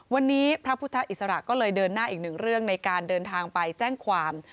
วันนี้พระพุทธอิสระก็เลยเดินหน้าอีกหนึ่งเรื่องในการเดินทางไปแจ้งความ